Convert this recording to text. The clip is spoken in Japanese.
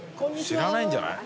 知らないんじゃない？